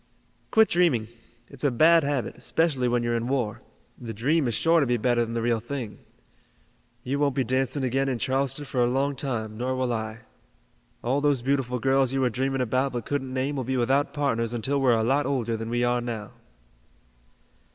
"Quit dreaming. It's a bad habit, especially when you're in war. The dream is sure to be better than the real thing. You won't be dancing again in Charleston for a long time, nor will I. All those beautiful girls you were dreaming about but couldn't name will be without partners until we're a lot older than we are now."